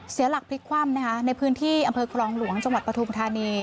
เสียหลักพลิกคว่ำนะคะในพื้นที่อำเภอครองหลวงจังหวัดปฐุมธานี